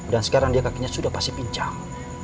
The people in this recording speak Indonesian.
dan sekarang dia kakinya sudah pasti pinjang